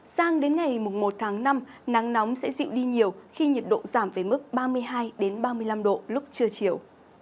sang đến ngày một tháng năm nắng nóng sẽ dịu đi nhiều khi nhiệt độ giảm về mức ba mươi hai ba mươi năm độ lúc trưa chiều